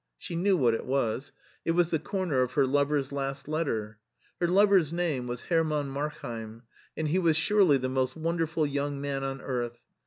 She knew what it was : it was the comer of her lover^s last letter. Her lover's name was Herman Mark heim, and he was surely the most wonderful young man on earth.